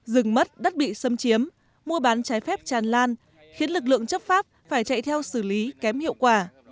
rừng mất đất bị xâm chiếm mua bán trái phép tràn lan khiến lực lượng chấp pháp phải chạy theo xử lý kém hiệu quả